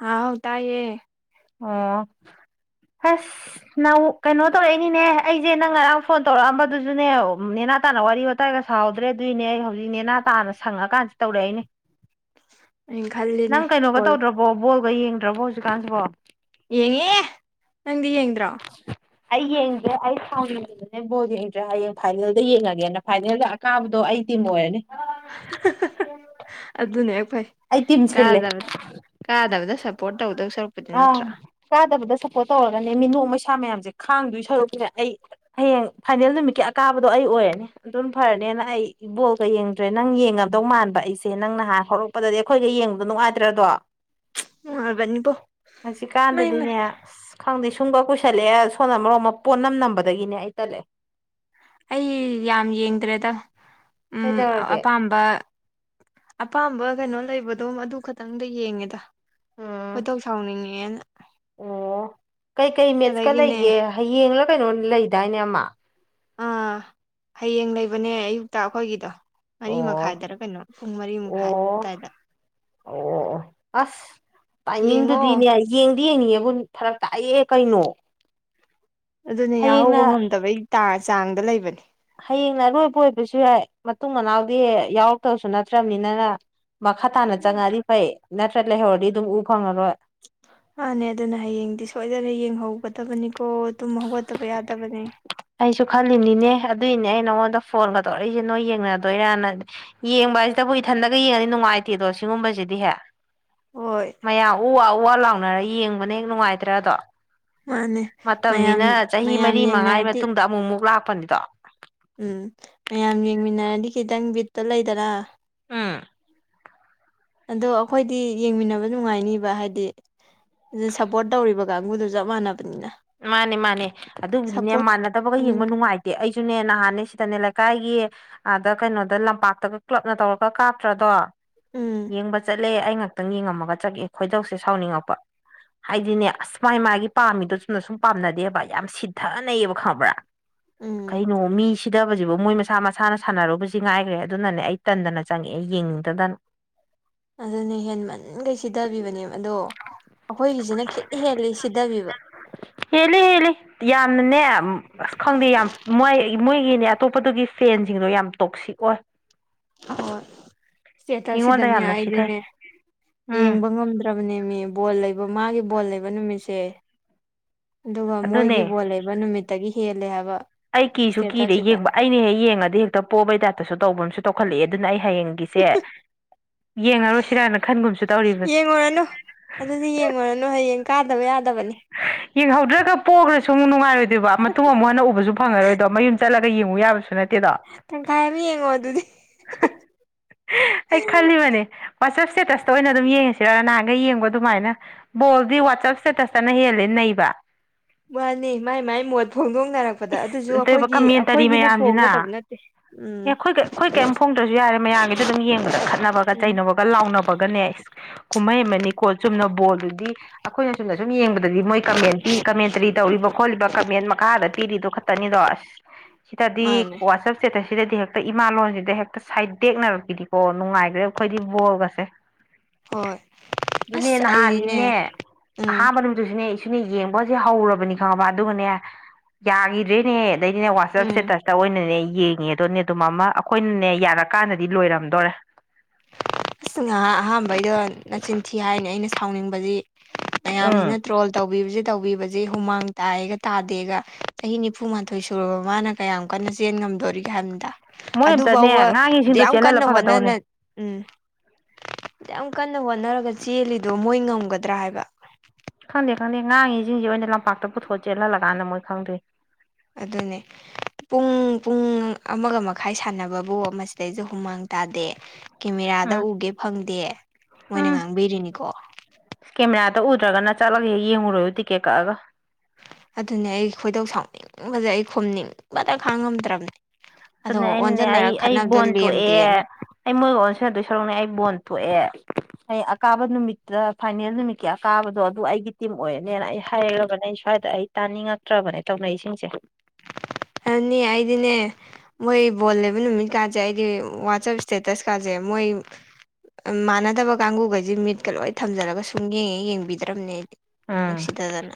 ꯍꯥꯎ ꯍ ꯇꯌꯦ ꯑꯣ ꯍꯁ ꯅ ꯀꯩꯅꯣ ꯇꯧꯔꯛꯏꯅꯤꯅꯦ ꯑꯩꯁꯦ ꯅꯪ ꯉꯔꯥꯡ ꯐꯣꯟ ꯇꯧꯔꯛꯑꯝꯕꯗꯨꯁꯨꯅꯦ ꯅꯦꯅꯥ ꯇꯥꯅ ꯋꯥꯔꯤ ꯋꯥꯇꯥꯏꯒ ꯁꯥꯥꯎꯍꯧꯗ꯭ꯔꯦ ꯑꯗꯨꯏꯅꯦ ꯑꯩ ꯍꯧꯖꯤꯛ ꯅꯦꯅꯥ ꯇꯥꯅ ꯁꯪꯉ ꯀꯀꯥꯟꯁꯤ ꯇꯧꯔꯛꯦꯏꯅꯦ ꯑꯩꯅ ꯈꯜꯂꯤꯅꯦ ꯅꯪ ꯀꯩꯅꯣꯒ ꯀꯣꯜ ꯇꯧꯗ꯭ꯔꯕꯣ ꯕꯣꯜꯒ ꯌꯦꯡꯗ꯭ꯔꯕꯣ ꯍꯧꯖꯤꯛꯀꯥꯟꯁꯤꯕꯣ ꯌꯦꯡꯉꯦ [unintelligible] ꯑꯩ ꯌꯦꯡꯗ꯭ꯔꯦ ꯑꯩ ꯁꯥꯎꯗꯅꯦ ꯕꯣꯜ ꯌꯦꯡꯗ꯭ꯔꯦ ꯍꯌꯦꯡ ꯐꯥꯏꯅꯦꯜꯗ ꯌꯦꯡꯉꯒꯦꯅ ꯐꯥꯏꯅꯦꯜꯗ ꯑꯀꯥꯕꯗꯣ ꯑꯗꯤ ꯃꯣ ꯑꯗꯨꯅꯦ ꯐꯩ ꯑꯩ ꯇꯤꯝ ꯁꯤꯜꯂꯦ ꯀꯥꯗꯕꯗ ꯀꯥꯗꯕ ꯁꯄꯣꯔꯠ ꯑ ꯀꯥꯗꯕꯗ ꯄꯣꯠ ꯇꯧꯔꯒꯅꯦ ꯃꯤꯅꯣꯛ ꯃꯩꯁꯥ ꯃꯌꯥꯝꯁꯦ ꯈꯥꯡꯗꯣꯏ ꯁꯔꯨꯛꯁꯤꯦ ꯑꯩ ꯍꯌꯦꯡ ꯐꯥꯏꯅꯦꯜ ꯅꯨꯃꯤꯠꯀꯤ ꯑꯀꯥꯕꯗꯣ ꯑꯩ ꯂꯣꯏꯔꯅꯤ ꯑꯗꯨꯝ ꯐꯔꯅꯦꯅ ꯑꯩꯕꯣꯜꯀ ꯌꯦꯡꯗ꯭ꯔꯦ ꯅꯪ ꯌꯦꯡꯉꯗꯧ ꯃꯥꯟꯕ ꯑꯩꯁꯦ ꯅꯪ ꯅꯍꯥꯟ ꯍꯧꯔꯛꯄꯗ ꯑꯗꯤ ꯑꯩꯈꯣꯏꯒ ꯌꯦꯡꯕꯗꯣ ꯅꯨꯡꯉꯥꯏꯇ꯭ꯔꯗꯣ ꯑꯕꯅꯤꯕꯣ ꯍꯧꯖꯤꯛꯀꯥꯟꯗꯗꯤꯅꯦ ꯈꯪꯗꯦ ꯁ ꯁꯨꯝꯒ ꯀꯨꯏꯁꯜꯂꯛꯑꯦ ꯁꯣꯟꯅ ꯃꯔꯣꯝ ꯑꯃ ꯄꯣꯠ ꯅꯝ ꯅꯝꯕꯗꯒꯤꯅꯦ ꯑꯩ ꯇꯠꯂꯛꯑꯦ ꯑꯩ ꯌꯥꯝ ꯌꯦꯡꯗ꯭ꯔꯦꯗ ꯎꯝ ꯀꯩꯗꯧꯔꯒꯦ ꯑꯄꯥꯝꯕ ꯑꯄꯥꯝꯕ ꯀꯩꯅꯣ ꯂꯩꯕꯗꯣꯝ ꯑꯗꯨ ꯈꯛꯇꯪꯗ ꯌꯦꯡꯉꯦꯗ ꯎꯝ ꯈꯣꯏꯗꯧ ꯁꯥꯎꯅꯤꯡꯉꯦꯅ ꯑꯣ ꯀꯩꯀꯩ ꯃꯦꯠꯁꯀ ꯑꯗꯒꯤꯅꯦ ꯂꯩꯒꯦ ꯍꯌꯦꯡꯂ ꯀꯩꯅꯣ ꯂꯩꯗꯥꯏꯅꯦ ꯑꯃ ꯑꯥ ꯍꯌꯦꯡ ꯂꯩꯕꯅꯦ ꯑꯌꯨꯛꯇ ꯑꯩꯈꯣꯏꯒꯤꯗꯣ ꯃꯔꯤ ꯑꯣ ꯃꯈꯥꯏꯗꯔ ꯀꯩꯅꯣ ꯄꯨꯡ ꯃꯔꯤ ꯃꯈꯥꯏ ꯑꯣ ꯑꯗꯨꯋꯥꯏꯗ ꯑꯣ ꯑꯣ ꯑꯁ ꯌꯦꯡꯉꯣ ꯇꯥꯏꯃꯤꯡꯗꯨꯗꯤꯅꯦ ꯌꯦꯡꯗꯤ ꯌꯦꯡꯅꯤꯡꯉ ꯒꯨꯟ ꯐꯔꯛ ꯇꯥꯛꯌꯦ ꯀꯩꯅꯣ ꯑꯗꯨꯅꯦ ꯍꯌꯦꯡꯅ ꯌꯥꯍꯧꯕ ꯉꯝꯗꯕꯩ ꯆꯥꯡꯗ ꯂꯩꯕꯅꯦ ꯍꯌꯦꯡꯅ ꯑꯔꯣꯏꯕ ꯑꯣꯏꯕꯁꯨ ꯌꯥꯏ ꯃꯇꯨꯡ ꯃꯅꯥꯎꯗꯤ ꯌꯥꯎꯔꯛꯇꯕꯁꯨ ꯅꯠꯇ꯭ꯔꯕꯅꯤꯅꯅ ꯃꯈꯥ ꯇꯥꯅ ꯆꯪꯉꯛꯑꯗꯤ ꯐꯩ ꯅꯠꯇ꯭ꯔ ꯂꯩꯍꯧꯔꯗꯤ ꯑꯗꯨꯝ ꯎ ꯐꯪꯉꯔꯣꯏ ꯃꯥꯅꯦ ꯑꯗꯨꯅ ꯍꯌꯦꯡꯗꯤ ꯁꯣꯏꯗꯅ ꯌꯦꯡꯍꯧꯒꯗꯕꯅꯤꯀꯣ ꯑꯗꯨꯝ ꯍꯧꯒꯠꯇꯕ ꯌꯥꯗꯕꯅꯦ ꯑꯩꯁꯨ ꯈꯜꯂꯤꯅꯤꯅꯦ ꯑꯗꯨꯏꯅꯦ ꯑꯩ ꯅꯉꯣꯟꯗ ꯐꯣꯟꯒꯗꯧꯔꯛꯏꯁꯦ ꯅꯣꯏ ꯌꯦꯡꯅꯗꯣꯏꯔꯅꯕ ꯁꯤꯗꯕꯨ ꯏꯊꯟꯗꯒ ꯌꯦꯡꯉꯅꯤ ꯅꯨꯡꯉꯥꯏꯇꯦꯗꯣ ꯁꯤꯒꯨꯝꯕꯁꯤꯗꯤ ꯍꯦ ꯍꯣꯏ ꯃꯌꯥꯝ ꯎ ꯋꯥ ꯎ ꯋꯥ ꯂꯥꯎꯅꯔ ꯌꯦꯡꯕꯅꯦ ꯍꯦꯛ ꯅꯨꯡꯉꯥꯏꯇ꯭ꯔꯗꯣ ꯃꯥꯅꯦ ꯃꯌꯥꯝ ꯃꯇꯝꯅꯤꯅ ꯆꯍꯤ ꯃꯌꯥꯝ ꯃꯔꯤ ꯃꯉꯥꯒꯤ ꯌꯦꯡꯅꯔꯗꯤ ꯃꯇꯨꯡꯗ ꯑꯃꯨꯛꯃꯨꯛ ꯂꯥꯛꯄꯅꯤꯗꯣ ꯎꯝ ꯃꯌꯥꯝ ꯌꯦꯡꯃꯤꯟꯅꯔꯗꯤ ꯈꯤꯇꯪ ꯕꯤꯠꯇ ꯂꯩꯗꯔꯥ ꯍꯥ ꯑꯗꯣ ꯑꯩꯈꯣꯏꯗꯤ ꯌꯦꯡꯃꯤꯟꯅꯕ ꯅꯨꯡꯉꯥꯏꯅꯤꯕ ꯍꯥꯏꯗꯤ ꯑꯗꯨ ꯁꯞꯄꯣꯔꯠ ꯇꯧꯔꯤꯕ ꯀꯥꯡꯕꯨꯗꯨ ꯆꯞ ꯃꯥꯟꯅꯕ ꯃꯥꯅꯦ ꯃꯥꯅꯦ ꯑꯗꯨꯕꯨꯗꯤꯅꯦ ꯁꯞꯄꯣꯔꯠ ꯃꯥꯟꯅꯗꯕꯒ ꯌꯦꯡꯕ ꯎꯝ ꯅꯨꯡꯉꯥꯏꯇꯦ ꯑꯩꯁꯨꯅꯦ ꯅꯍꯥꯟꯅꯦ ꯁꯤꯗꯅꯦ ꯀ ꯀꯥꯏꯒꯤ ꯑꯥꯗ ꯀꯩꯅꯣꯗ ꯂꯝꯄꯥꯛꯇꯒ ꯀ꯭ꯂꯞꯅ ꯇꯧꯔꯒ ꯀꯥꯞꯇ꯭ꯔꯗꯣ ꯎꯝ ꯌꯦꯡꯕ ꯆꯠꯂꯦ ꯑꯩ ꯉꯥꯛꯇꯪ ꯌꯦꯡꯉꯝꯃꯒ ꯆꯠꯒꯦ ꯈꯣꯏꯗꯧꯁꯦ ꯁꯥꯎꯅꯤꯡꯉꯛꯄ ꯍꯥꯏꯗꯤꯅꯦ ꯑꯁ ꯃꯥꯥꯏ ꯃꯥꯒꯤ ꯄꯥꯝꯃꯤꯗꯣ ꯅ ꯁꯨꯝ ꯄꯥꯝꯅꯗꯦꯕ ꯌꯥꯝ ꯁꯤꯊꯅꯩꯌꯦꯕ ꯈꯪꯕ꯭ꯔꯥ ꯎꯝ ꯀꯩꯅꯣ ꯃꯤꯁꯤꯗ ꯕꯁꯤꯕꯨ ꯃꯣꯏ ꯃꯁꯥ ꯃꯁꯥꯅ ꯁꯥꯟꯅꯔꯨꯕꯁꯤ ꯉꯥꯏꯈ꯭ꯔꯦ ꯑꯗꯨꯅꯅꯦ ꯑꯩ ꯇꯟꯗꯅ ꯆꯪꯉꯛꯦ ꯑꯩ ꯌꯦꯡꯅꯤꯡꯗꯗꯅ ꯑꯗꯨꯅꯦ ꯍꯦꯟꯃꯟꯈꯩ ꯁꯤꯊꯕꯤꯕꯅꯦ ꯑꯗꯣ ꯑꯩꯈꯣꯏꯒꯤꯁꯤꯅ ꯈꯤꯠ ꯍꯦꯜꯂꯤ ꯁꯤꯊꯕꯤꯕ ꯍꯦꯜꯂꯤ ꯍꯦꯜꯂꯤ ꯌꯥꯝꯅꯅꯦ ꯑꯁ ꯈꯪꯗꯦ ꯌꯥꯝ ꯃꯣꯏ ꯃꯣꯏꯒꯤꯅꯦ ꯑꯇꯣꯞꯄꯗꯨꯒꯤ ꯐꯦꯟꯁꯤꯡꯗꯣ ꯌꯥꯝ ꯇꯣꯛꯁꯤꯛ ꯑꯣꯏ ꯍꯣꯏ ꯃꯤꯉꯣꯟꯗ ꯁꯦꯇꯔꯁꯤꯗꯅꯦ ꯌꯥꯝꯅ ꯁꯤꯊꯩ ꯑꯩꯗꯤꯅꯦ ꯎꯝ ꯌꯦꯡꯕ ꯉꯝꯗ꯭ꯔꯕꯅꯦ ꯃꯤ ꯕꯣꯜ ꯂꯩꯕ ꯃꯥꯒꯤ ꯕꯣꯜ ꯂꯩꯕ ꯅꯨꯃꯤꯠꯁꯦ ꯑꯗꯨꯒ ꯃꯣꯏꯒꯤ ꯑꯗꯨꯅꯦ ꯕꯣꯜ ꯂꯩꯕ ꯅꯨꯃꯤꯠꯇꯒꯤ ꯍꯦꯜꯂꯦ ꯍꯥꯏꯕ ꯑꯩ ꯀꯤꯁꯨ ꯀꯤꯔꯦ ꯏꯁꯇꯦꯇꯁꯁꯤꯗ ꯌꯦꯡꯕ ꯑꯩꯅ ꯍꯦꯛ ꯌꯦꯡꯉꯗꯤ ꯍꯦꯛꯇ ꯄꯣꯕꯩ ꯇꯥꯛꯞꯇꯁꯨ ꯇꯧꯕꯁꯨ ꯇꯧꯈꯠꯂꯛꯑꯦ ꯑꯗꯨꯅ ꯑꯩ ꯍꯌꯦꯡꯒꯤꯁꯦ ꯌꯦꯡꯉꯔꯨꯁꯤꯔꯥꯅ ꯈꯟꯒꯨꯝꯁꯨ ꯇꯧꯔꯤꯕꯅꯤ ꯌꯦꯡꯉꯨꯔꯅꯨ ꯑꯗꯨꯗꯤ ꯌꯦꯡꯉꯨꯔꯅꯨ ꯍꯌꯦꯡ ꯀꯥꯗꯕ ꯌꯥꯗꯕꯅꯤ ꯌꯦꯡꯍꯧꯗ꯭ꯔꯒ ꯄꯣꯛꯈ꯭ꯔꯁꯨ ꯑꯃꯨꯛ ꯅꯨꯡꯉꯥꯏꯔꯣꯏꯗ ꯑꯗꯨꯕ ꯃꯇꯨꯡ ꯑꯃꯨꯛ ꯍꯟꯅ ꯎꯕꯁꯨ ꯐꯪꯉꯔꯣꯏꯗꯣ ꯃꯌꯨꯝ ꯆꯠꯂꯒ ꯌꯦꯡꯉꯨ ꯌꯥꯕꯁꯨ ꯅꯠꯇꯦꯗꯣ ꯇꯪꯈꯥꯏ ꯑꯃ ꯌꯦꯡꯉꯣ ꯑꯗꯨꯗꯤ ꯑꯩ ꯈꯂꯤ ꯃꯅꯦꯅꯦ ꯋꯥꯆꯞ ꯁ꯭ꯇꯦꯇꯁꯇ ꯑꯣꯏꯅ ꯑꯗꯨꯝ ꯌꯦꯡꯉꯁꯤꯔꯒ ꯅꯍꯥꯟꯒ ꯌꯦꯡꯕ ꯑꯗꯨꯃꯅ ꯕꯜꯗꯤ ꯋꯥꯠꯆꯑꯞ ꯏꯁ꯭ꯇꯦꯇꯁ ꯠꯇꯅ ꯍꯦꯜꯂꯦ ꯅꯩꯕ ꯃꯥꯅꯤ ꯃꯥꯏ ꯃꯥꯏ ꯃꯣꯠ ꯐꯣꯡꯗꯣꯡꯅꯔꯛꯄꯗ ꯑꯗꯨꯁꯨ ꯏꯁ ꯑꯗꯨꯒ ꯑꯩꯈꯣꯏꯒꯤ ꯀꯃꯦꯟꯇꯔꯤ ꯑꯩꯈꯣꯏꯒꯤꯅ ꯃꯌꯥꯝꯁꯤꯅ ꯐꯣꯡꯒꯗꯕ ꯅꯠꯇꯦ ꯎꯝ ꯑꯦ ꯑꯩꯈꯣꯏ ꯑꯩꯈꯣꯏ ꯀꯔꯤꯝ ꯐꯣꯡꯗ꯭ꯔꯁꯨ ꯌꯥꯔꯦ ꯃꯌꯥꯝꯒꯤꯗ ꯑꯗꯨꯝ ꯌꯦꯡꯕꯗ ꯈꯠꯅꯕꯒ ꯎꯝ ꯆꯩꯅꯕꯒ ꯂꯥꯎꯅꯕꯒꯅꯦ ꯀꯨꯝꯍꯩ ꯑꯃꯅꯤ ꯀꯣ ꯆꯨꯝꯅ ꯕꯣꯜꯗꯨꯗꯤ ꯑꯩꯈꯣꯏꯅ ꯁꯨꯝꯅ ꯁꯨꯝ ꯌꯦꯡꯕꯗ ꯑꯗꯨꯗꯒꯤ ꯃꯣꯏ ꯀꯃꯦꯟ ꯄꯤ ꯀꯃꯦꯟꯇꯔꯤ ꯇꯧꯔꯤꯕ ꯈꯣꯠꯂꯤꯕ ꯀꯃꯦꯟ ꯃꯈꯥꯗ ꯄꯤꯔꯤꯗꯣ ꯈꯛꯇꯅꯤꯗꯣ ꯑꯁ ꯁꯤꯗꯗꯤ ꯃꯥꯅꯦ ꯋꯥꯆꯞ ꯁꯇꯦꯇꯁꯁꯤꯗꯗꯤ ꯍꯦꯛꯇ ꯏꯃꯥ ꯂꯣꯟꯁꯤꯗ ꯍꯦꯛꯇ ꯁꯥꯏꯠ ꯇꯦꯛꯅꯔꯛꯈꯤꯅꯤꯀꯣ ꯅꯨꯡꯉꯥꯏꯈ꯭ꯔꯦ ꯑꯩꯈꯣꯏꯗꯤ ꯕꯣꯔꯒꯁꯦ ꯍꯣꯏ ꯑꯁ ꯑꯗꯨꯅꯦꯅ ꯑꯩꯗꯤꯅꯦ ꯍꯥꯔꯈꯤꯅꯦ ꯎꯝ ꯑꯍꯥꯟꯕ ꯅꯨꯃꯤꯠꯇꯨꯁꯨꯅꯦ ꯏꯁꯨꯅꯦ ꯌꯦꯡꯕꯁꯦ ꯍꯧꯔꯕꯅꯤ ꯈꯪꯉꯕ ꯑꯗꯨꯒꯅꯦ ꯌꯥꯈꯤꯗ꯭ꯔꯦꯅꯦ ꯑꯗꯩꯗꯤꯅꯦ ꯋꯥꯆꯦꯞ ꯎꯝ ꯁꯦꯇꯁꯇ ꯑꯣꯏꯅꯅꯦ ꯌꯦꯡꯉꯦꯗꯅꯦ ꯑꯗꯨ ꯃꯃ ꯑꯩꯈꯣꯏꯅꯅꯦ ꯌꯥꯔꯀꯥꯟꯗꯗꯤ ꯂꯣꯏꯔꯝꯗꯣꯔꯦ ꯑꯁ ꯉꯥꯏꯍꯥꯛ ꯑꯍꯥꯟꯕꯩꯗ ꯅꯆꯤꯟꯊꯤ ꯍꯥꯏꯅ ꯑꯩꯅ ꯁꯥꯎꯅꯤꯡꯕꯕꯁꯤ ꯎꯝ ꯃꯌꯥꯝꯁꯤꯅ ꯇ꯭ꯔꯣꯜ ꯇꯧꯕꯤꯁ ꯇꯧꯕꯤꯕꯁꯦ ꯍꯨꯃꯥꯡ ꯇ ꯇꯗꯦ ꯆꯍꯤ ꯅꯤꯐꯨꯊꯣꯏ ꯁꯨꯔꯕ ꯃꯥꯅ ꯀ ꯀꯟꯅ ꯉꯝꯗꯣꯔꯤꯒꯦ ꯍꯥꯏꯕꯗ ꯃꯣꯏ ꯑꯝꯇꯅꯦ ꯑꯗꯨꯐꯥꯎꯕ ꯑꯗꯨ ꯉꯥꯡꯉꯤꯁꯤꯡꯗꯣ ꯌꯥꯝ ꯆꯦꯜꯍꯜꯂ ꯀꯟꯅ ꯍꯣꯠꯅꯅ ꯐꯒꯗꯧꯅꯦ ꯎꯝ ꯌꯥꯝ ꯀꯟꯅ ꯋꯥꯣꯠꯅꯔꯒ ꯆꯦꯜꯂꯤꯗꯣ ꯃꯣꯏ ꯉꯝꯒꯗ꯭ꯔꯥ ꯍꯥꯏꯕ ꯈꯪꯗꯦ ꯈꯪꯗꯦ ꯉꯥꯡꯉꯤꯁꯤꯡꯁꯤꯦ ꯑꯣꯏꯅ ꯂꯝꯄꯥꯛꯇ ꯄꯨꯊꯣꯛ ꯆꯦꯜꯍꯜꯂꯀꯥꯟꯗ ꯃꯣꯏ ꯈꯪꯗꯦ ꯑꯗꯨꯅꯦ ꯄꯨꯡ ꯄꯨꯡ ꯑꯃꯒ ꯃꯈꯥꯏ ꯁꯥꯟꯅꯕꯕꯨ ꯃꯁꯤꯗꯩꯁꯨ ꯍꯨꯃꯥꯡ ꯇꯗꯦ ꯀꯦꯃꯦꯔꯥꯗ ꯎꯝ ꯎꯒꯦ ꯐꯪꯗꯦ ꯃꯣꯏꯅ ꯎꯝ ꯉꯥꯡꯕꯤꯔꯤꯅꯤꯀꯣ ꯇꯛꯎꯗ꯭ꯔꯒꯅ ꯆꯠꯂꯒ ꯍꯦꯛ ꯌꯦꯡꯉꯨꯔꯣꯏꯨ ꯇꯤꯛꯀꯦꯠ ꯀꯛꯑꯒ ꯑꯗꯨꯅꯦ ꯑꯩ ꯈꯣꯏꯗꯧ ꯁꯥꯎꯅꯤꯡꯕꯁꯦ ꯑꯩ ꯈꯣꯝꯅꯤꯡꯕꯗ ꯈꯥꯡꯉꯝꯗ꯭ꯔꯕꯅꯦ ꯑꯗꯨꯅꯦ ꯑꯩꯅꯅꯦ ꯑꯩ ꯑꯩ ꯕꯣꯟ ꯊꯣꯛꯑꯦ ꯂꯦꯝꯗꯦꯅ ꯑꯩ ꯃꯣꯏ ꯑꯣꯟꯁꯤ ꯑꯗꯨꯣꯏ ꯁꯔꯛꯅꯦ ꯑꯩ ꯕꯣꯜ ꯇꯣꯛꯑꯦ ꯑꯩ ꯑꯀꯥꯕ ꯅꯨꯃꯤꯠꯇ ꯐꯥꯏꯅꯦꯜ ꯅꯨꯃꯤꯠꯀꯤ ꯑꯀꯥꯕꯗꯣ ꯑꯗꯨ ꯑꯩꯒꯤ ꯇꯤꯝ ꯑꯣꯏꯔꯅꯦꯅ ꯑꯩ ꯍꯥꯏꯔꯔꯕꯅꯦ ꯗ ꯑꯩ ꯇꯥꯅꯤꯡꯉꯛꯇ꯭ꯔꯕꯅꯦ ꯇꯧꯅ ꯏꯁꯤꯡꯁꯦ ꯑꯗꯨꯅꯤ ꯑꯩꯗꯤꯅꯦ ꯃꯣꯏ ꯕꯣꯜ ꯂꯩꯕ ꯅꯨꯃꯤꯠꯀꯥꯁꯦ ꯑꯩꯗꯤ ꯋꯥꯆꯞ ꯏꯁꯇꯦꯇꯁ ꯀꯥꯁꯦ ꯃꯣꯏ ꯃꯣꯏ ꯃꯥꯟꯅꯗꯕ ꯀꯥꯡꯒꯨꯒꯩꯁꯦ ꯃꯤꯠꯀ ꯂꯣꯏ ꯊꯝꯖꯔꯒ ꯁꯨꯝ ꯌꯦꯡꯉꯦ ꯌꯦꯡꯕꯤꯗ꯭ꯔꯕꯅꯦ ꯎꯝ ꯅꯨꯡꯁꯤꯗꯗꯅ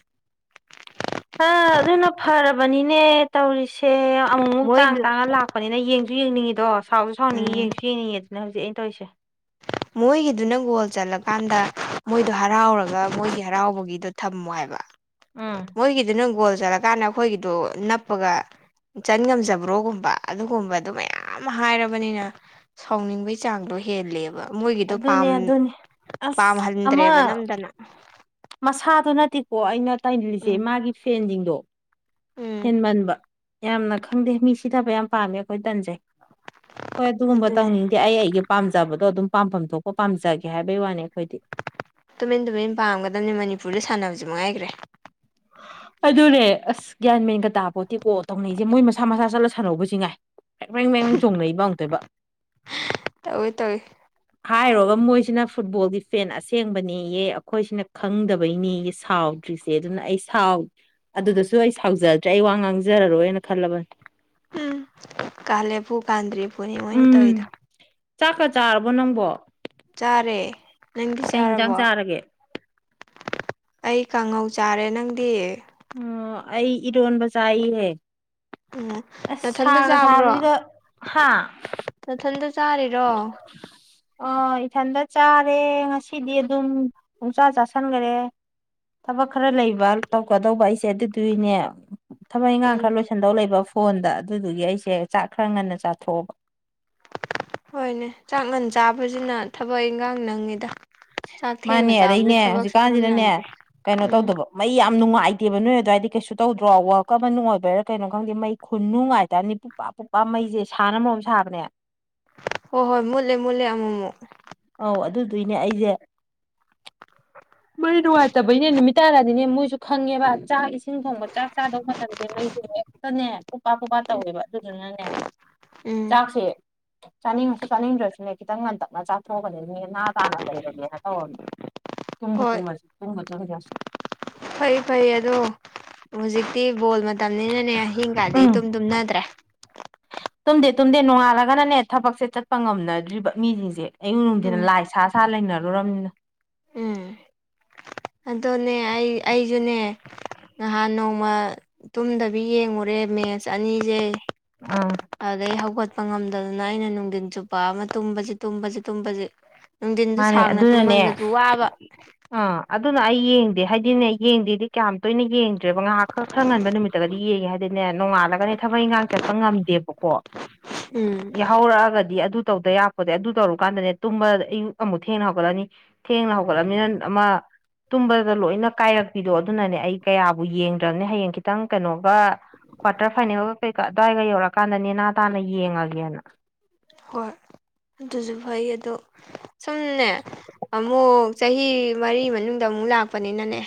ꯑꯗꯨꯅ ꯐ ꯕꯅꯤꯅꯦ ꯇꯧꯔꯤꯁꯦ ꯑꯃꯨꯛ ꯑꯃꯨꯛ ꯇꯥꯡ ꯃꯣꯏꯗꯨ ꯇꯥꯡꯉꯒ ꯂꯥꯛꯄꯅꯤꯅ ꯌꯦꯡꯁꯨ ꯌꯦꯡꯅꯤꯡꯉꯤꯗꯣ ꯁꯥꯎꯁꯨ ꯁꯥꯎꯅꯤꯡꯉꯤ ꯎꯝ ꯌꯦꯡꯁꯨ ꯌꯦꯡꯅꯤꯡꯉꯦꯗꯣ ꯅ ꯍꯧꯖꯤꯛ ꯑꯩꯅ ꯇꯧꯔꯤꯁꯦ ꯃꯣꯏꯒꯤꯗꯨꯅ ꯒꯣꯜ ꯆꯠꯂꯀꯥꯟꯗ ꯃꯣꯏꯗꯣ ꯍꯔꯥꯎꯔꯒ ꯃꯣꯏꯒꯤ ꯍꯔꯥꯎꯕꯒꯤꯗꯣ ꯊꯝꯃꯣ ꯍꯥꯏꯕ ꯎꯝ ꯃꯣꯏꯒꯤꯗꯨ ꯅꯪ ꯒꯣꯜ ꯆꯠꯂꯀꯥꯟꯗ ꯑꯩꯈꯣꯏꯒꯤꯗꯣ ꯅꯞꯄꯒ ꯆꯟ ꯉꯝꯖꯕ꯭ꯔꯣꯒꯨꯝꯕ ꯑꯗꯨꯒꯨꯝꯕ ꯑꯗꯨ ꯃꯌꯥꯝ ꯍꯥꯏꯔꯕꯅꯤꯅ ꯁꯥꯎꯅꯤꯡꯕꯒꯤ ꯆꯥꯡꯗꯣ ꯍꯦꯜꯂꯦꯕ ꯃꯣꯏꯒꯤꯗꯣ ꯑꯗꯨꯅꯦ ꯄꯥꯝ ꯑꯗꯨꯅꯤ ꯑꯁ ꯑꯃ ꯄꯥꯝꯍꯟꯗ꯭ꯔꯦꯕ ꯅꯝꯗꯅ ꯃꯁꯥꯗꯨ ꯅꯠꯇꯦꯀꯣ ꯑꯩꯅ ꯇꯥꯏꯅꯤꯡꯔꯤꯁꯦ ꯎꯝ ꯃꯥꯒꯤ ꯐꯦꯟꯁꯤꯡꯗꯣ ꯎꯝ ꯍꯦꯟꯃꯟꯕ ꯌꯥꯝꯅ ꯈꯪꯗꯦ ꯃꯤ ꯁꯤꯊꯕ ꯌꯥꯝ ꯄꯥꯝꯃꯦ ꯑꯩꯈꯣꯏ ꯇꯟꯁꯦ ꯍꯣꯏ ꯑꯗꯨꯒꯨꯝꯕ ꯑꯗꯨꯅꯦ ꯇꯧꯅꯤꯡꯗꯦ ꯑꯩ ꯑꯩꯒꯤ ꯄꯥꯝꯖꯕꯗꯣ ꯑꯗꯨꯝ ꯄꯥꯝꯐꯝ ꯊꯣꯛꯄ ꯄꯥꯝꯖꯒꯦ ꯍꯥꯏꯕꯩ ꯋꯥꯅꯤ ꯑꯩꯈꯣꯏꯗꯤ ꯇꯨꯃꯤꯟ ꯇꯨꯃꯤꯟ ꯄꯥꯝꯒꯗꯕꯅꯤ ꯃꯅꯤꯄꯨꯔꯗ ꯁꯥꯟꯅꯕꯁꯦ ꯃꯉꯥꯏꯈ꯭ꯔꯦ ꯑꯗꯨꯅꯦ ꯑꯁ ꯒ꯭ꯌꯥꯟ ꯃꯦꯟꯒ ꯇꯥꯕꯣꯠꯇꯦꯀꯣ ꯇꯧꯅꯩꯁꯦ ꯃꯣꯏ ꯃꯁꯥ ꯃꯁꯥ ꯆꯠꯂ ꯁꯥꯟꯅꯧꯕꯁꯤ ꯉꯥꯏ ꯍ ꯃꯡ ꯃ ꯃꯡ ꯆꯣꯡꯅ ꯏꯕ ꯑꯛꯇꯣꯏꯕ ꯇꯧꯋꯤ ꯇꯧꯋꯤ ꯍꯥꯏꯔꯣꯒ ꯃꯣꯏꯁꯤꯅ ꯐꯨꯠꯕꯣꯜꯒꯤ ꯐꯦꯟ ꯑꯁꯦꯡꯕꯅꯤꯑ ꯑꯩꯈꯣꯏꯁꯤꯅ ꯈꯪꯗꯕꯩꯅꯤ ꯁꯥꯎ ꯁꯥꯎꯗ꯭ꯔꯤꯁꯦ ꯑꯗꯨꯅ ꯑꯩꯥꯎ ꯑꯗꯨꯗꯁꯨ ꯑꯩ ꯁꯥꯎꯖꯗ꯭ꯔꯦ ꯑꯩ ꯋꯥ ꯉꯥꯡꯖꯔꯔꯣꯏꯅ ꯈꯜꯂꯕꯅꯦ ꯎꯝ ꯀꯥꯂꯦꯄꯨꯔ ꯀꯥꯗꯔꯤꯄꯨꯔꯅꯤ ꯑꯣꯏꯣꯏꯅꯤ ꯇꯧꯗ ꯎꯝ ꯆꯥꯛꯀ ꯆꯥꯔꯕꯣ ꯅꯪꯕꯣ ꯇꯥꯔꯦ ꯅꯪꯗꯤ ꯀꯩ ꯌꯦꯟꯖꯥꯡ ꯆꯥꯔꯕꯣ ꯆꯥꯔꯒꯦ ꯑꯩ ꯀꯥꯡꯉꯧ ꯆꯥꯔꯦ ꯅꯪꯗꯤ ꯑꯣ ꯑꯩ ꯏꯔꯣꯟꯕ ꯆꯥꯏꯍꯦ ꯎꯝ ꯑꯁ ꯅꯊꯟꯗ ꯁꯥꯡꯅꯣ ꯆꯥꯕ꯭ꯔꯣ ꯁꯥꯕꯁꯤꯗ ꯍꯥꯥ ꯆꯥꯔꯦꯔꯣ ꯑ ꯏꯊꯟꯇ ꯆꯥꯔꯦ ꯉꯁꯤꯗꯤ ꯑꯗꯨꯝ ꯄꯣꯡꯆꯥꯥ ꯆꯥꯥꯁꯟꯈꯔꯦ ꯊꯕꯛ ꯈꯔ ꯂꯩꯕ ꯇꯧꯀꯗꯧꯕ ꯑꯩꯁꯦ ꯑꯗꯨꯗꯨꯏꯅꯦ ꯊꯃꯛ ꯏꯈꯥꯡ ꯎꯝ ꯈꯔ ꯂꯣꯏꯁꯟꯗꯧ ꯂꯩꯕ ꯐꯣꯟꯗ ꯑꯗꯨꯗꯨꯒꯤ ꯑꯩꯁꯦ ꯆꯥꯛ ꯈꯔ ꯉꯟꯅ ꯆꯥꯊꯣꯛꯑꯕ ꯍꯣꯏꯅꯦ ꯆꯥꯛ ꯃꯟ ꯆꯥꯕꯁꯤꯅ ꯊꯕꯛ ꯏꯟꯈꯥꯡ ꯅꯪꯉꯤꯗ ꯆꯥꯛ ꯊꯦꯡꯅ ꯃꯥꯅꯦ ꯆꯥꯕꯁꯨ ꯑꯗꯩꯅꯦ ꯊꯕꯛ ꯁꯨꯡꯅꯪ ꯍꯧꯖꯤꯛꯀꯥꯟꯁꯤꯅꯅꯦ ꯅꯪꯗꯦ ꯀꯩꯅꯣ ꯎꯝ ꯇꯧꯗꯕ ꯃꯩ ꯌꯥꯝ ꯌꯥꯝ ꯅꯨꯡꯉꯥꯏꯇꯦꯕ ꯅꯣꯏ ꯑꯗꯨꯋꯥꯏꯗꯤ ꯀꯩꯁꯨ ꯇꯧꯗ꯭ꯔꯣ ꯋꯔꯛ ꯑꯃ ꯅꯨꯡꯉꯥꯏꯕꯩꯔꯥ ꯀꯩꯅꯣ ꯈꯪꯗꯦ ꯃꯩ ꯈꯨꯟ ꯅꯨꯡꯉꯥꯏꯇꯥꯔꯅꯤ ꯑꯇꯣꯛꯄ ꯃꯩꯁꯦ ꯁꯥꯅ ꯃꯔꯣꯝ ꯁꯥꯕꯅꯦ ꯍꯣꯏ ꯍꯣꯏ ꯃꯨꯠꯂꯦ ꯃꯨꯠꯂꯦ ꯑꯃꯨꯛ ꯑꯃꯨꯛ ꯑꯧ ꯑꯗꯨꯗꯏꯅꯦ ꯑꯩꯁꯦ ꯃꯩ ꯅꯨꯡꯉꯥꯏꯇꯕꯩꯅꯦ ꯅꯨꯃꯤꯠ ꯇꯥꯔꯗꯤꯅꯦ ꯃꯣꯏꯁꯨ ꯈꯪꯉꯦꯕ ꯆꯥꯛ ꯏꯁꯤꯡ ꯊꯣꯡꯕ ꯆꯥꯛ ꯆꯥꯗꯧꯕ ꯃꯇꯝꯗꯦ ꯃꯩꯗꯤ ꯍꯦꯛꯇꯅꯦ ꯄꯨꯄꯥ ꯄꯨꯄꯥ ꯇꯧꯋꯦꯕ ꯑꯗꯨꯗꯨꯅꯅꯦ ꯎꯝ ꯆꯥꯛꯁꯦ ꯆꯥꯅꯤꯡꯉꯁꯨ ꯆꯥꯅꯤꯡꯗ꯭ꯔꯁꯨꯅꯦ ꯈꯤꯇꯪ ꯉꯟꯇꯛꯅ ꯆꯥꯛ ꯊꯣꯛꯄꯅꯦꯅꯦ ꯅꯥ ꯇꯥꯅ ꯂꯩꯔꯒꯦꯅ ꯇꯧꯔꯅꯤ ꯇꯨꯝꯕ ꯍꯣꯏ ꯇꯨꯝꯁꯨꯨꯝꯕ ꯆꯨꯝꯁ [unintelligible] ꯐꯩ ꯐꯩ ꯑꯗꯣ ꯍꯧꯖꯤꯛꯇꯤ ꯕꯣꯜ ꯃꯇꯝꯅꯤꯅꯅꯦ ꯑꯍꯤꯡ ꯀꯥꯟꯗꯤꯩ ꯎꯝ ꯇꯨꯝ ꯇꯨꯝꯅꯗ꯭ꯔꯦ ꯇꯨꯝꯗꯦ ꯇꯨꯝꯗꯅꯣꯡꯉꯥꯂꯒꯅꯅꯦ ꯊꯕꯛꯁꯦ ꯆꯠꯄ ꯉꯝꯅꯗ꯭ꯔꯤꯕ ꯃꯤꯁꯤꯡꯁꯦ ꯑꯌꯨꯛ ꯅꯨꯡꯊꯤꯅ ꯎꯝ ꯂꯥꯏ ꯁꯥ ꯁꯥ ꯂꯩꯅꯔꯨꯔꯕꯅꯤꯅ ꯑꯗꯨꯗꯅꯦ ꯑꯩ ꯑꯩꯁꯨꯅꯦ ꯅꯍꯥꯟ ꯅꯣꯡꯃ ꯇꯨꯝꯗꯕꯤ ꯌꯦꯡꯉꯨꯔꯦ ꯃꯦꯠꯆ ꯑꯅꯤꯁꯦ ꯑꯥ ꯑꯗꯨꯗꯒꯤꯩ ꯍꯧꯒꯠꯄ ꯉꯝꯗꯗꯅ ꯑꯩꯅ ꯅꯨꯡꯊꯤꯟ ꯆꯨꯞꯄ ꯑꯃ ꯇꯨꯝꯕꯁꯤ ꯇꯨꯝꯕꯁꯤ ꯇꯨꯝꯕꯁꯤ ꯅꯨꯡꯊꯤꯟꯗꯨ ꯃꯥꯅꯦ ꯁꯥꯡꯅ ꯑꯗꯨꯅꯅꯦ ꯇꯨꯝꯃꯜꯂꯁꯨ ꯋꯥꯕ ꯑꯥ ꯑꯗꯨꯅ ꯑꯩ ꯌꯦꯡꯗꯦ ꯍꯥꯏꯗꯤꯅꯦ ꯌꯦꯡꯗꯦꯗꯤ ꯀꯌꯥꯝ ꯇꯣꯏꯅ ꯌꯦꯡꯗꯦ ꯠꯇ꯭ꯔꯦꯕ ꯉꯥꯏꯍꯥꯛ ꯈꯛ ꯈꯔ ꯉꯟꯕ ꯅꯨꯃꯤꯠꯇꯒꯗꯤ ꯌꯦꯡꯉꯦ ꯍꯥꯏꯗꯤꯅꯦ ꯅꯣꯡꯉꯥꯜꯂꯒꯅꯦ ꯊꯕꯛ ꯏꯪꯈꯥꯡ ꯆꯠꯄ ꯉꯝꯗꯦꯕꯀꯣ ꯎꯝ ꯌꯥꯍꯧꯔꯛꯑꯒꯗꯤ ꯑꯗꯨ ꯇꯧꯗ ꯌꯥꯛꯄꯗ ꯑꯗꯨ ꯇꯧꯔꯨꯀꯥꯟꯗꯅꯦ ꯇꯨꯝꯕ ꯑꯌꯨꯛ ꯑꯃꯨꯛ ꯊꯦꯡꯅ ꯍꯧꯒꯠꯂꯅꯤ ꯊꯦꯡꯅ ꯍꯧꯒꯠꯂꯅꯤꯅ ꯑꯃ ꯇꯨꯝꯕꯗ ꯂꯣꯏꯅ ꯀꯥꯏꯔꯛꯄꯤꯗꯣ ꯑꯗꯨꯅꯅꯦ ꯑꯩ ꯀꯌꯥꯕꯨ ꯌꯦꯡꯗ꯭ꯔꯕꯅꯦ ꯍꯌꯦꯡ ꯈꯤꯇꯪ ꯀꯩꯅꯣꯒ ꯀ꯭ꯋꯥꯔꯇꯔ ꯐꯥꯏꯅꯦꯜꯒ ꯀꯩꯀꯥ ꯑꯗꯨꯋꯥꯏꯒ ꯌꯧꯔꯀꯥꯟꯗ ꯅꯦꯅꯥ ꯇꯥꯅ ꯌꯦꯡꯉꯒꯦꯅ ꯍꯣꯏ ꯑꯗꯨꯁꯨ ꯐꯩ ꯑꯗꯣ ꯁꯨꯝꯅꯦ ꯑꯃꯨꯛ ꯆꯍꯤ ꯃꯔꯤ ꯃꯅꯨꯡꯗ ꯑꯃꯨꯛ ꯑꯃꯨ ꯂꯥꯛꯄꯅꯤꯅꯅꯦ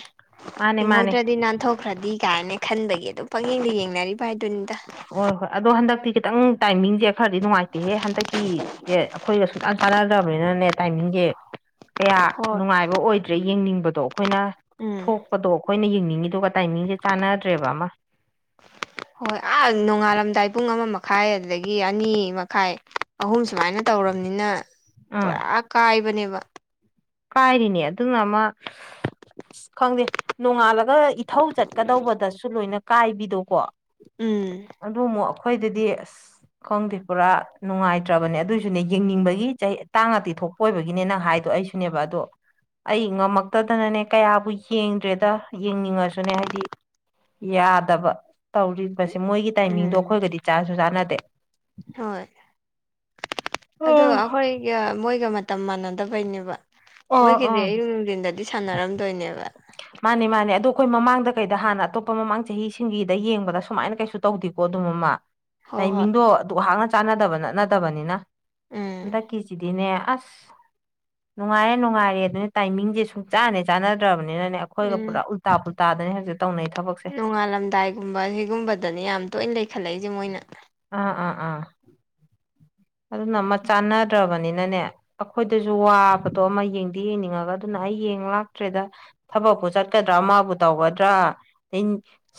ꯃꯥꯅꯦ ꯃꯥꯅꯦ ꯍꯤꯡꯍꯧꯗ꯭ꯔꯗꯤ ꯅꯥꯟꯊꯣꯛꯈ꯭ꯔꯗꯤ ꯀꯥꯏꯅ ꯈꯟꯕꯒꯤ ꯑꯗꯨꯝ ꯄꯛꯌꯦꯡꯗ ꯌꯦꯡꯅꯔꯤꯕ ꯍꯥꯏ ꯍꯣꯏ ꯍꯣꯏ ꯑꯗꯣ ꯍꯟꯗꯛꯇꯤ ꯈꯤꯇꯪ ꯇꯥꯏꯃꯤꯡꯁꯦ ꯈꯔꯗꯤ ꯅꯨꯡꯉꯥꯏꯇꯦꯍꯦ ꯍꯟꯗꯛꯀꯤꯁꯦ ꯑꯩꯈꯣꯏꯒ ꯁꯨꯡꯆꯥꯟ ꯆꯥꯟꯅꯗ꯭ꯔꯕꯅꯤꯅꯅꯦ ꯇꯥꯏꯃꯤꯡꯁꯦ ꯀꯌꯥ ꯍꯣꯏ ꯅꯨꯡꯉꯥꯏꯕ ꯑꯣꯏꯗ꯭ꯔꯦ ꯌꯦꯡꯅꯤꯡꯕꯗꯣ ꯑꯩꯈꯣꯏꯅ ꯎꯝ ꯊꯣꯛꯄꯗꯣ ꯑꯩꯈꯣꯏꯅ ꯌꯦꯡꯅꯤꯡ ꯇꯤꯗꯨ ꯇꯥꯏꯃꯤꯡꯁꯦ ꯆꯥꯟꯅꯗ꯭ꯔꯦꯕ ꯑꯃ ꯍꯣꯏ ꯑꯥ ꯅꯣꯡꯉꯥꯜꯂꯝꯗꯥꯏ ꯄꯨꯡ ꯑꯃꯃ ꯃꯈꯥꯏ ꯑꯗꯒꯤ ꯑꯅꯤ ꯃꯈꯥꯏ ꯑꯍꯨꯝ ꯁꯨꯃꯥꯏꯅ ꯇꯧꯔꯕꯅꯤꯅ ꯎꯝ ꯄꯨꯔꯥ ꯀꯥꯏꯕꯅꯦꯕ ꯀꯥꯏꯔꯤꯅꯦ ꯑꯗꯨꯅ ꯑꯃ ꯑꯁ ꯈꯪꯗꯦ ꯅꯣꯡꯉꯥꯜꯂꯒ ꯏꯊꯧ ꯆꯠꯀꯗꯧꯕꯗꯁꯨ ꯂꯣꯏꯅ ꯀꯥꯏꯕꯤꯗꯣꯀꯣ ꯎꯝ ꯍꯣꯏ ꯑꯗꯨꯗꯤ ꯑꯁ ꯈꯪꯗꯦ ꯄꯨꯔꯥ ꯅꯨꯡꯉꯥꯏꯇ꯭ꯔꯕꯅꯦ ꯑꯗꯨꯏꯁꯨꯅꯦ ꯌꯦꯡꯅꯤꯡꯕꯒꯤ ꯆꯍꯤ ꯇꯥꯡ ꯉꯥꯛꯇꯤ ꯊꯣꯛꯄ ꯑꯣꯏꯕꯒꯤꯅꯦ ꯅꯪ ꯍꯥꯏꯗꯣ ꯑꯩꯁꯨ ꯅꯕꯗꯣ ꯑꯩ ꯉꯝꯃꯛꯇꯗꯅꯅꯦ ꯀꯌꯥꯕꯨ ꯌꯦꯡꯗ꯭ꯔꯦꯗ ꯌꯦꯡꯅꯤꯡꯉꯁꯨꯅꯦ ꯍꯥꯏꯗꯤ ꯌꯥꯗꯕ ꯇꯧꯔꯤꯕꯁꯦ ꯃꯣꯏꯒꯤ ꯇꯥꯏꯃꯤꯡꯗꯣ ꯎꯝ ꯑꯩꯈꯣꯏꯒꯗꯤ ꯆꯥꯁꯨ ꯆꯥꯟꯅꯗꯦ ꯑꯣ ꯑꯗꯣꯈꯣꯏꯒ ꯃꯇꯝ ꯃꯥꯟꯅꯗꯕꯩꯅꯦꯕ ꯑꯣ ꯃꯣꯏꯒꯤꯗꯤ ꯑꯥ ꯑꯌꯨꯛ ꯅꯨꯡꯊꯤꯟꯗꯗꯤ ꯁꯥꯟꯅꯔꯝꯗꯣꯏꯅꯦꯕ ꯃꯥꯅꯦ ꯃꯥꯅꯦ ꯑꯗꯣ ꯑꯩꯈꯣꯏ ꯃꯃꯥꯡꯗ ꯀꯩꯗ ꯍꯥꯟꯅ ꯑꯇꯣꯞꯄ ꯃꯃꯥꯡ ꯆꯍꯤꯁꯤꯡꯒꯤꯗ ꯌꯦꯡꯕꯗ ꯁꯨꯃꯥꯏꯅ ꯀꯩꯁꯨ ꯇꯧꯗꯦꯀꯣ ꯑꯣꯗꯨꯃꯃ ꯍꯣꯏ ꯍꯣꯏ ꯇꯥꯏꯃꯤꯡꯗꯣ ꯑꯗꯨ ꯑꯩꯍꯥꯛꯅ ꯆꯥꯟꯅꯗꯕ ꯅꯠꯅꯗꯕꯅꯤꯅ ꯎꯝ ꯍꯟꯗꯛꯀꯤꯁꯤꯗꯤꯅꯦ ꯑꯁ ꯅꯨꯡꯉꯥꯏꯔꯦ ꯅꯨꯡꯉꯥꯏꯔꯦ ꯑꯗꯨꯅ ꯇꯥꯏꯃꯤꯡꯁꯦ ꯁꯨꯡ ꯆꯥꯟꯅꯦ ꯆꯥꯟꯅꯗ꯭ꯔꯕꯅꯤ ꯅꯤꯅꯅꯦ ꯑꯩꯈꯣꯏꯒ ꯎꯝ ꯄꯨꯔꯥ ꯎꯜꯇꯥ ꯄꯨꯜꯇꯥꯗꯅꯦ ꯍꯧꯖꯤꯛ ꯇꯧꯅꯩ ꯊꯕꯛꯁꯦ ꯅꯣꯡꯉꯥꯜꯂꯝꯗꯥꯏꯒꯨꯝꯕ ꯁꯤꯒꯨꯝꯕꯗꯅꯤ ꯌꯥꯝ ꯇꯣꯏꯅ ꯂꯩꯈꯠꯂꯛꯏꯁꯦ ꯃꯣꯏꯅ ꯑꯥ ꯑꯥ ꯑꯥ ꯑꯗꯨ ꯅꯃ ꯆꯥꯟꯅꯗ꯭ꯔꯕꯅꯤꯅ ꯅꯦ ꯑꯩꯈꯣꯏꯗꯁꯨ ꯋꯥꯕꯗꯣ ꯑꯃ ꯌꯦꯡꯗꯤ ꯌꯦꯡꯅꯤꯡꯉꯒ ꯑꯗꯨꯅ ꯑꯩ ꯌꯦꯡ ꯂꯥꯛꯇ꯭ꯔꯦꯗ ꯊꯕꯛ ꯆꯠꯀꯗ꯭ꯔꯥ ꯑꯃꯕꯨ ꯇꯧꯒꯗ꯭ꯔꯥ ꯑ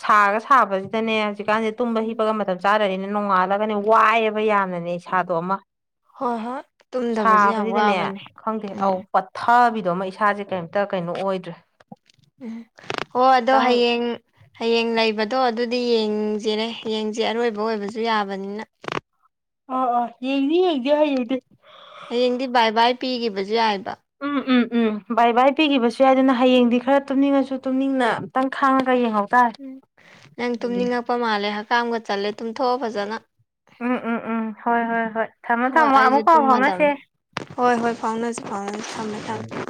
ꯁꯥꯒ ꯁꯥꯕꯁꯤꯗꯅꯦ ꯍꯧꯖꯤꯛꯀꯥꯟꯁꯦ ꯇꯨꯝꯕ ꯎꯝ ꯍꯤꯞꯄꯒ ꯃꯇꯝ ꯆꯥꯔꯅꯤꯅ ꯅꯣꯡꯉꯥꯜꯂꯒꯅꯦ ꯋꯥꯏꯑꯦꯕ ꯌꯥꯝꯅꯅꯦ ꯏꯁꯥꯗꯣ ꯑꯃ ꯍꯣꯏ ꯍꯣꯏ ꯇꯨꯝꯗꯕꯁꯨ ꯌꯥꯝ ꯁꯥꯕꯁꯤꯗꯅꯦ ꯋꯥꯕꯅꯦ ꯈꯪꯗꯦ ꯑꯧ ꯎꯝ ꯄꯊꯕꯤ ꯑꯗꯣ ꯑꯃ ꯏꯁꯥꯁꯦ ꯀꯩꯝꯇ ꯀꯩꯅꯣ ꯑꯣꯏꯗ꯭ꯔꯦ ꯎꯝ ꯑꯣ ꯑꯗꯣ ꯈꯤꯇꯪ ꯍꯌꯦꯡ ꯍꯌꯦꯡ ꯂꯩꯕꯗ ꯑꯗꯣ ꯑꯗꯨꯗꯤ ꯌꯦꯡꯁꯤꯔꯦ ꯌꯦꯡꯁꯦ ꯑꯔꯣꯏꯕ ꯑꯣꯏꯕꯁꯨ ꯌꯥꯕꯅꯤꯅ ꯑ ꯑ ꯌꯦꯦꯒꯅꯤ ꯍꯦꯗꯤ ꯌꯦꯗꯤꯦ ꯍꯌꯦꯡꯗꯤ ꯕꯥꯏ ꯕꯥꯏ ꯄꯤꯈꯤꯕꯁꯨ ꯌꯥꯏ ꯎꯝ ꯎꯝ ꯎꯝ ꯥꯏ ꯏ ꯍꯥꯄꯤꯈꯤꯕꯁꯨ ꯌꯥꯏꯗꯅ ꯍꯌꯦꯡꯗꯤ ꯈꯔ ꯇꯨꯝꯅꯤꯡꯉꯁꯨ ꯇꯨꯝꯅꯤꯡꯅ ꯑꯝꯇꯪ ꯈꯥꯡꯉꯒ ꯌꯦꯡꯍꯧꯦ ꯎꯝ ꯅꯪ ꯇꯨꯝꯅꯤꯡꯉꯛꯄ ꯃꯥꯜꯂꯦ ꯍꯀꯥꯝꯒ ꯆꯠꯂꯦ ꯇꯨꯝꯊꯣꯛꯑꯣ ꯐꯖꯅ ꯎꯝ ꯎꯝ ꯎꯝ ꯍꯣꯏ ꯍꯣꯏ ꯍꯣꯏ ꯊꯝꯃꯣ ꯍꯣꯏ ꯊꯝꯃꯣ ꯑꯩꯁꯨ ꯑꯃꯨꯛ ꯄꯥꯎ ꯇꯨꯝꯃꯗꯕꯅꯦ ꯐꯥꯎꯅꯁꯦ ꯍꯣꯏ ꯍꯣꯏ ꯐꯥꯎꯅꯁꯤ ꯐꯥꯎꯅꯁꯤ ꯊꯝꯃꯦ ꯊꯝꯃꯦ